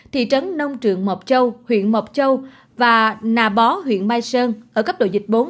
thị trấn nông trường mộc châu huyện mộc châu và nà bó huyện mai sơn ở cấp độ dịch bốn